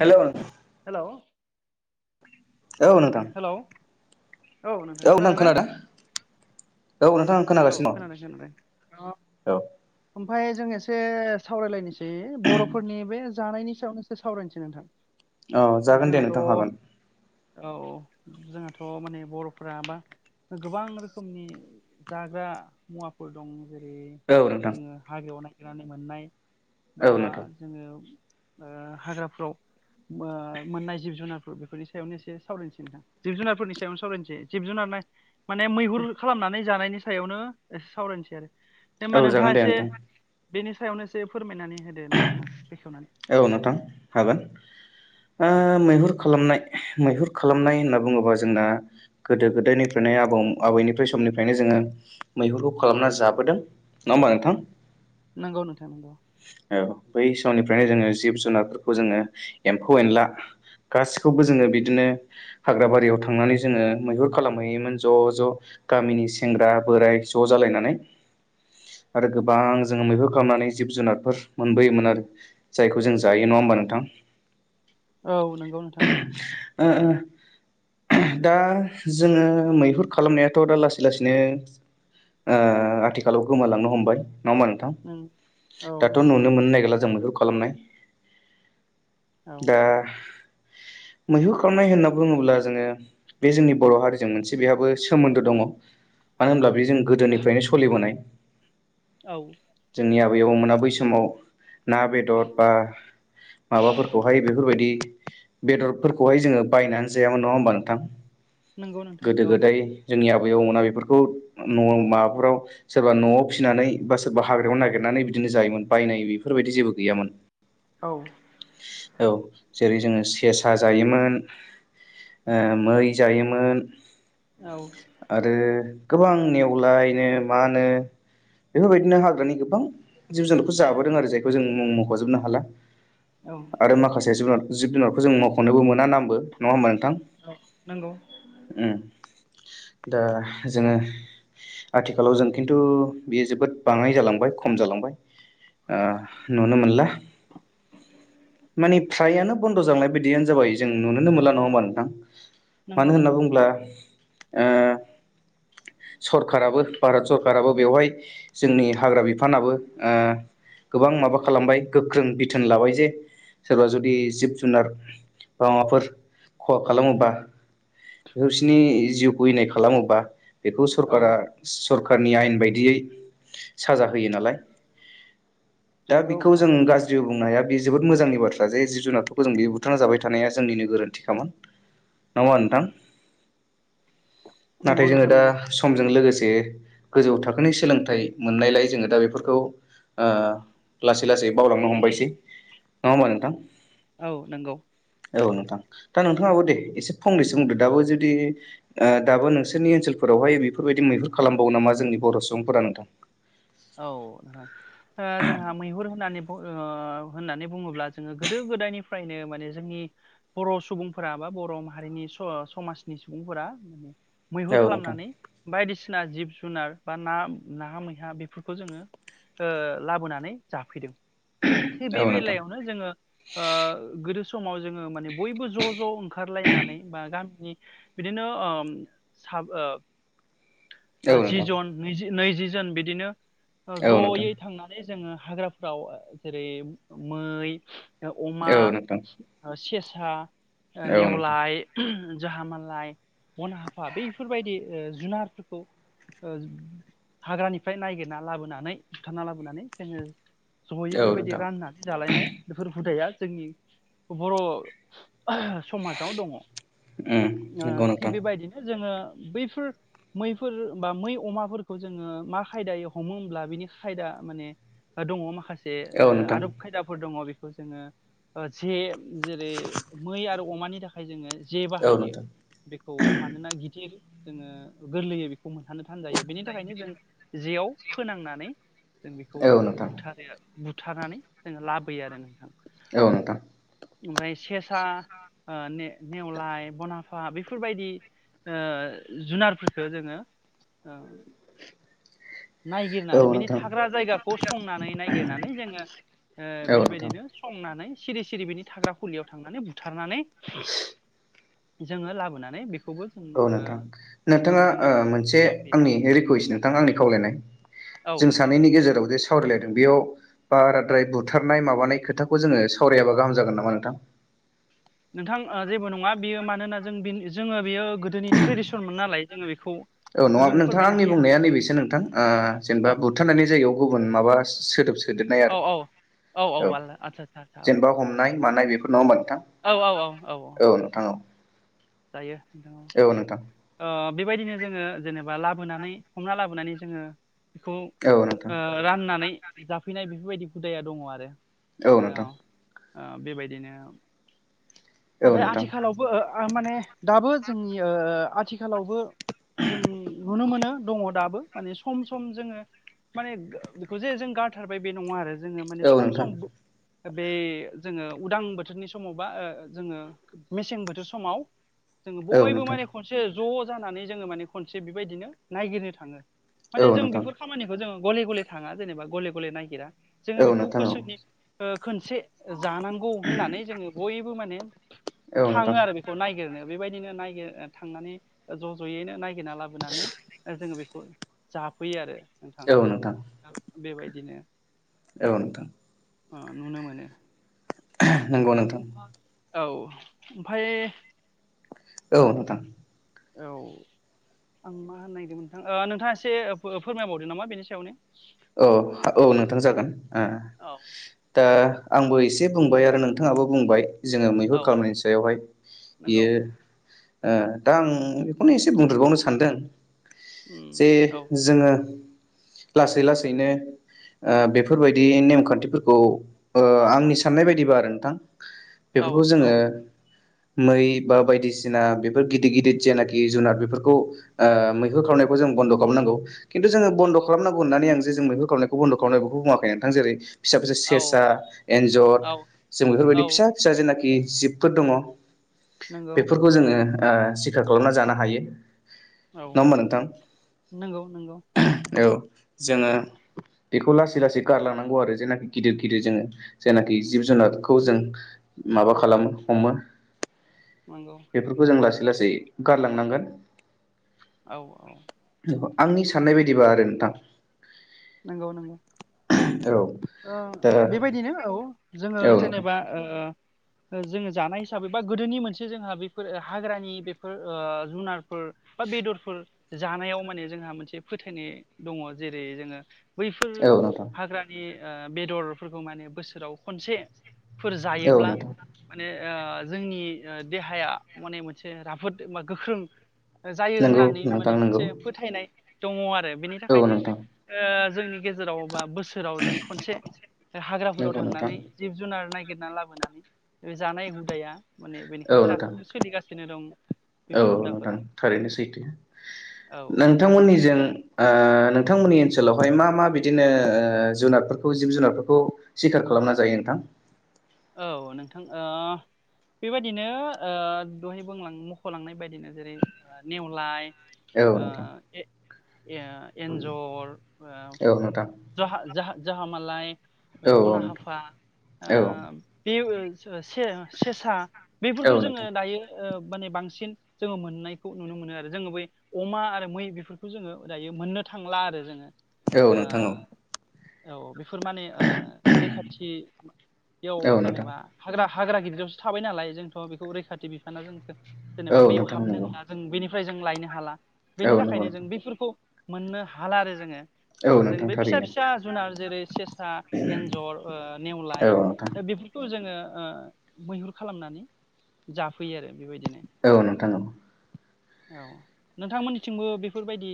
Hello हेल'। औ नोंथां। औ नोंथां खोनादों ना? औ नोंथां आं औ खोनागासिनो अ औ। ओमफाय जों एसे सावरायलायनोसै बर'फोरनि बे जानायनि सायाव नोंसो सावरायनोसै नोंथां। औ जागोन दे जोंहाथ' नोंथां हागोन। औ औ जोंहाथ' माने बर'फ्रा बा गोबां रोखोमनि जाग्रा मुवाफोर दं। जेरै औ नोंथां। जोङो हाग्रायाव नागिरनानै मोननाय बा औ नोंथां जोङो‌ ओ हाग्राफ्राव बा मोननाय जिब जुनारफोर बेफोरनि सायावनो एसे सावरायनोसै नोंथां जिब- जुनारफोरनि सायावनो सावरायनोसै जिब जुनार माने मैहुर खालामनानै जानायनि सायावनो एसे सावरायनोसै आरो दे होमबा नोंथाङा ए [unintelligible] बेनि सायावनो एसे फोरमायनानै होदो नोंथाङा। बेखेवनानै औ नोंथां हागोन ओ मैहुर खालामनाय मैहुर खालामनाय होनना बुङोबा जोंना गोदो गोदायनिफ्रायनो आबौ आबैनिफ्राय समनिफ्रायनो जोङो मैहुरखौ खालामना जाबोदों। नङा होमबा नोंथां? नंगौ नोंथां नंगौ। औ बै समनिफ्रायनो जोङो जिब जुनारफोरखौ जोङो एम्फौ एनला गासिखौबो जोङो बिदिनो हाग्रा बारियाव थांनानै जोङो मैहुर खालामहैयोमोन ज'ज' गामिनि सेंग्रा बोराय ज' जालायनानै। आरो गोबां जोङो मैहुर खालामनानै जिब जुनारफोर मोनबोयोमोन आरो। जायखौ जों जायो। नङा होमबा नोंथां? औ नंगौ नोंथां। ओ ओ दा जोङो मैहुर खालामनायाथ' दा लासै लासैनो ओ आथिखालाव गोमालांनो हमबाय। नङा होमबा नोंथां नों औ दाथ' नंगौ नुनो मोननो नागिरला जों मैहुर खालामनाय। औ दा [inaudible] मैहुर खालामनाय होनना बुङोब्ला जोङो बे जोंनि बर' हारिजों मोनसे बेहाबो सोमोन्दो दङ। मानो होनब्ला बे जों गोदोनिफ्रायनो सलिबोनाय। औ। जोंनि आबै आबौमोना बै समाव ना बेदर बा माबाफोरखौहाय बेफोरबायदि बेदरफोरखौहाय जोङो बायनानै जायामोन। नङा होमबा नोंथां? नंगौ नोंथां गोदो औ गोदाय जोंनि आब बौ मोना बेफोरखौ माबाफोराव सोरबा न'आव फिसिनानै बा सोरबा हाग्रायाव नागिरनानै बिदिनो जायोमोन बायनाय बेफोरबायदि जेबो गैयामोन। औ। औ जेरै जोङो सेसा जायोमोन ओ मै जायोमोन औ आरो गोबां नेवलायनो मानो बेफोरबायदिनो हाग्रानि गोबां जिब जुनारखौ जाबोदों आरो जायखौ जों मुं मख'जोबनो हाला औ आरो नंगौ माखासे जुनार जिब जुनार जों मावख'नोबो मोना नामबो नङा होमबा नोंथां? औ नंगौ उम। दा जोङो आथिखालाव जों खिन्थु बेयो जोबोद बाङाय जालांबाय खम जालांबाय। ओ नुनो मोनला। माने फ्रायानो बन्द' जालांनाय बिदियानो जाबाय जों नुुनोनो मोनला नङा होमबा नोंथां? मानो नंगौ होनना नंगौ बुङोब्ला ओ सरकाराबो भारत सरकाराबो बेवहाय जोंनि हाग्रा बिफानाबो ओ गोबां माबा खालामबाय गोख्रों बिथोन लाबाय जे सोरबा जुदि जिब जुनार। बााबाफोर खहा खालामोबा बिसिरनि जिउखौ इनाय खालामोबा बेखौ औ सरकारा सरखारनि आयेन बायदियै साजा होयो नालाय। दा नंगौ बेखौ औ जों गाज्रि बुंनाया बे जोबोद मोजांनि बाथ्रा जे जिब जुनारफोरखौ जों बे बुथारना जाबाय थानाया जोंनिनो गोरोन्थि खामोन। नामा नोंथां? नाथाय नंगौ जोङो नोंथां दा नंगौ। समजों लोगोसे गोजौ थाखोनि सोलोंथाइ मोननायलाय जोङो दा बेफोरखौ। ओ लासै लासै बावलांनो हमबायसै नङा होमबा नोंथां? औ नंगौ। औ नोंथां दा नोंथाङाबो दे एसे फंनैसो बुंदो दाबो जुदि ओ दाबो नोंसोरनि ओनसोल फोरावहाय बेफोरबायदि मैहुर खालामबावो नामा जोंनि बर' सुबुंफोरा नोंथां? औ नोंथां ओ जोंहा मैहुर होननानै ओ होननानै बुङोब्ला जोङो गोदो गोदायनिफ्रायनो माने जोंनि बर' सुबुंफोरा बा बर' मारिनि स समाजनि सुबुंफोरा माने। मैहुर औ नोंथां खालामनानै बायदिसिना जिब जुनार बा ना ना मैहा बेफोरख खौ जोङो ओ लाबोनानै जाफैदों थिग बे औ नोंथां बेलायावनो जोङो ओ गोदो समाव जोङो माने बयबो ज' ज' ओंखारलायनानै बा गामि नि बिदिनो ओम साब ओ औ जि नोंथां जन नैजि नैजि जन बिदिनो औ नोंथां ज'यै थांनानै जोङो हाग्राफोराव जेरै मै अमा, औ नोंथां सेसा, ओ औ नोंथां नेवलाय जाह मालाय, बन हाफा बफोरबायदि ओ जुनारफोरखौ ओ हाग्रानिफ्राय नायगिरना लाबोनानै बुथारना लाबोनानै जोङो जहै औ बेबायदि नोंथां राननानै जालायनाय बेफोर हुदाया जोंनि बर' समाजाव दङ ओ उम नंगौ थिग नोंथां बेबायदिनो जोङो बैफोर मैफोर बा मै अमाफोरखौ जोङो मा खायदायै हमो होमब्ला बिनि खायदा माने दङ माखासे औ ओ नोंथां आदब खायदाफोर दङ बे खौ जोङो ओ जे जेरै मै आरो अमानि थाखाय जोङो जे औ बाहायो नोंथां बेखौ मानोना गिदिर जोङो गोरलैयो बेख खौ मोनहानो थान जायो बेनि थाखायनो जों जेयाव फोनांनानै जों बेखौ औ नोंथां बुथारो बुथारनानै जोङो लाबोयो आरो नोंथां। औ नोंथां। ओमफ्राय सेसा ओ ने नेवलाय बनाफा बेफोरबायदि ओ जुनारफोरखो जोङो औ नायगिरनानै बिनि नोंथां थाग्रा जायगाखौ संनानै नायगिरनानै जोङो ओ औ नोंथां बिबायदिनो संनानै सिरि सिरि बिनि थाग्रा फुलियाव थांनानै बुथारनानै जोङो लाबोनानै बे औ नोंथां नोंथाङा ओ मोनसे जाफैयो आंनि रिकुेस नोंथां आंनि खावलाय नाय औ जों सानैनि गेजेराव जे सावरायलायदों बेयाव बाराद्राय बुथारनाय माबानाय खोथाखौ जोङो सावरायाबा गाहाम जागोन नामा नोंथां। [inaudible] नोंथां ओ जेबो नङा बियो मानोना जों बेन जोङो बियो गोदोनि ट्रेडिसनमोन नालाय जोङो बेख औ नङा नोंथां आंनि बुंनाया नैबेसो नोंथां ओ औ जेनेबा बुथारनायनि जायगायाव गुबुन माबा सो सोदोब सोदेरनाय औ औ आरो औ आलदा आदसा आदसा जेनेबा हमनाय मानाय बेफोर नङामोन औ औ औ औ औ। जायो नोंथां दे ओ बेबायदिनो जोङो जेनेब बा लाबोनानै हमना लाबोनानै जोङो बेखौ औ नोंथां राननानै जाफैनाय बेफोरबायदि हुदाया दङ आरो। औ नोंथां। ओ बेबायदिनो औ नाथाय नोंथां आथिखालावबो आ माने दाबो जोंनि ओ आथिखालावबो जों नुनो मोनो दङ दाबो माने सम सम जोङो माने बेखौ जे जों गारथारबाय बे नङा आरो। जोङो माने औ सम सम नोंथां बे जोङो उदां बोथोरनि समावबा ओ जोङो मेसें बोथोर समाव जोङो औ बयबो माने नोंथां खनसे ज' जानानै जोङो माने खनसे बेबायदिनो नायगिरनो थाङो। माने औ जों नोंथां बेफोर खामानिखौ जोङो गले गले थाङा जेनेबा गले गले नायगिरा। जोङो औ बेखौ नोंथां बोसोरनि ओ खोनसे जानांगौ होननानै जोङो बयबो माने औ औ थाङो नोंथां आरो बेखौ नायगिरनो बेबायदिनो नायगिर ओ थांनानै ओ ज' ज'यैनो नाय गिरना लाबोनानै ओ जोङो बेखौ जाफैयो आरो। नोंथां बेबायदिनो औ नोंथां। अ नुनो मोनो। नोंगौ नोंथां। औ ओमफाय औ नोंथां। औ आं मा होननो नागिरदोंमोन नोंथां ओ नोंथाङा एसे ओ फो फोरमायबावदो नामा बेनि सायावनो। औ औ नोंथां जागोन। ओ औ दा आंबो एसे बुंबाय आरो नोंथाङाबो बुंबाय। जोङो मैहुर औ खालामनायनि सायावहाय नंगौ बियो ओ दा आं बेखौनो एसे बुंदेरबावनो सानदों। उम जे औ जोङो लासै लासैनो ओ बेफोरबायदि नेमखान्थिफोरखौ ओ आंनि साननाय बायदिबा आरो नोंथां। औ बेफोरखौ औ जोङो मै बा बायदिसिना बेफोर गिदिर गिदिर जेनाखि जुनार बेफोरखौ ओ मैहुर खावनायखौ जों बन्द' खालामनांगौ खिन्थु जोङो बन्द नंगौ खालामनांगौ होननानै आं जे जों मैहुर खालामनायखौ बन्द' खालामनाय बेखौ बुङाखै नोंथां जेरै फिसा फिसा औ सेसा एन्जर औ जों बेफोरबायदि औ फिसा फिसा जेनाखि जिबफोर दङ नंगौ बेफोरखौ जोङो ओ सिखार खालामना जानो हायो। औ नङा होमबा नोंथां? नंगौ नंगौ औ जोङो बेखौ लासै लासै गारलांनांगौ आरो जेनाखि गिदिर गिदिर जोङो जेनाखि जिब जुनारखौ जों माबा खालामो हमो नंगौ बेफोरखौ जों लासै लासै गारलांनांगोन। औ औ। आंनि साननाय बायदिबा आरो नोंथां। नंगौ नंगौ। औ ओ दा बेबायदिनो औ जोङो औ नोंथां जेनेबा ओ ओ जोङो जानाय हिसाबै बा गोदोनि मोनसे जोंहा बेफोर हाग्रानि बेफोर ओ जुनारफोर बा बेदरफोर जानायाव माने जोंहा मोनसे फोथायनाय दङ जेरै जोङो बैफोर औ नोंथां हाग्रानि ओ बेदरफोरखौ माने बोसोराव खनसे फोर औ जायोब्ला नोंथां माने ओ जोंनि ओ देहाया मने मोनसे राफोद बा गोख्रों जायो नंगौ होननानै नोंथां माने नंगौ मोनसे फोथायनाय दङ आरो बेनि औ थाखायनो नोंथां ओ जोंनि गेजेराव बा बोसोराव जों खनसे हाग्राफोराव नंगौ नोंथां थांनानै जिब जुनार नाय गिरना लाबोनानै बे जानाय हुदाया माने बेनिखायनो औ नोंथां दासिमबो सोलिगासिनो दं। औ बेफोर नोंथां हुदाफोरा थारैनो सैथो। औ नोंथांमोननिजों ओ नोंथांमोननि ओन सोलावहाय मा मा बिदिनो ओ जुनादफोरखौ जिब जुनारफोरखौ सिखार खालामना जायो नोंथां औ नोंथां बेबायदिनो ओ दहाय बुंलां मख'लांनाय बायदिनो जेरै नेवलाय आ नोंथां ए एन्जर' औ नोंथां जाह जाहा मालाय औ बना नोंथां हाफा औ बे से सेसा बेफोरखौ जोङो नोंथां दायो माने बांसिन जोङो मोननायखौ नुनो मोनो आरो जोङो बै अमा आरो मै बेफोरखौ जोङो दायो मोननो थांला आरो जोङो औ नोंथां औ नोंथां औ बेफोर माने रैखाथि औ बेयाव नोंथां जेनेबा हाग्रा हाग्रा गिदिरयावसो थाबाय नालाय जोंथ' बेखौ रैखाथि बिफाना जोंखौ औ जेनेबा बेयाव नोंथां हाबनो नंगौ होला जों बेनिफ्राय जों लायनो हाला बेनि औ नंगौ थाखायनो जों नोंथां बेफोरखौ मोननो हाला आरो जोङो औ जों नोंथां बे फिसा थारैनो फिसा जुनार जेरै सेसा एन्जर औ नेवलाय नोंथां खौ जोङो मैहुर खालामनानै जाफैयो आरो बेबायदिनो औ नोंथां औ नोंथांमोननिथिंबो बेफोरबायदि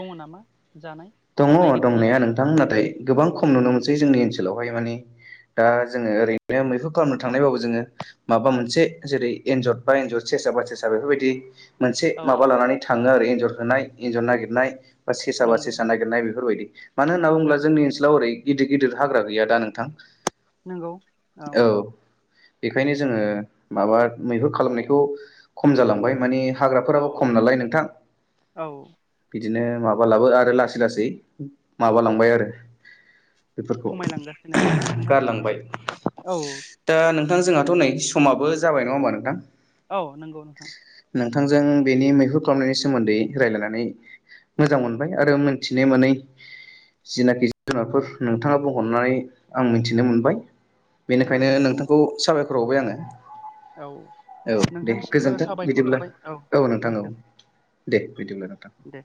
दङ नामा जानाय दङ बा नायगिरनानै दंनाया लायो नोंथां नाथाय गोबां खम नुनो मोनसै जोंनि ओनसोलावहाय माने दा जोङो ओरैनो मैखुन खालामनो थांनायबाबो जोङो माबा मोनसे जेरै एन्जर बा सेसा बा सेसा बेफोरबायदि मोनसे औ माबा औ लानानै थाङो आरो एन्जर होनाय एन्जर नागिरनाय बा सेसाबा से नंगौ बेफोरबायदि मानो होनना बुङोब्ला औ जोंनि ओनसोलाव ओरै गिदिर गिदिर हाग्रा गैया दा नोंथां नंगौ औ बेखायनो जोङो माबा मैहुर खालामनायखौ खम जालांबाय माने हाग्राफोराबो औ खम नालाय नोंथां औ बिदिनो माबा लाबो आरो लासै लासै लासै माबालांबाय आरो बेफोरखौ खमायलांगासिनो आरोना नोंथां गारलांबाय औ दा नोंथां जोंहाथ' औ नै समाबो जाबाय नङा होमा नोंथां औ नंगौ नोंथां नोंथांजों बेनि मैहुर खालामनायनि सोमोन्दै रायजलायनानै मोजां मोनबाय आरो। मिथिनाय मोन जिनाखि जुनारफोर नोंथाङा बुं हननानै आं मिथिनो मोनबाय नंगौ बेनिखायनो नोंथांखौ साबायखर बावबाय आङो औ औ दे नोंथांनिसिमबो गोजोन्थों साबायखर बिदिब्ला थाबाय औ नोंथां दे औ गोजोन। दे बिदिब्लाथ दे